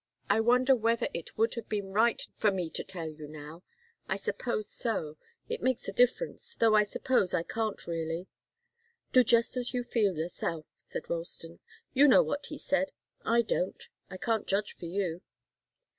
"I wonder whether it would be right for me to tell you now. I suppose so. It may make a difference, though I suppose it can't, really." "Do just as you feel, yourself," said Ralston. "You know what he said I don't. I can't judge for you."